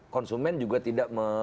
konsumen juga tidak